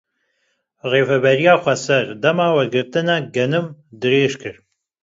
Rêveberiya Xweser dema wergirtina genim dirêj kir.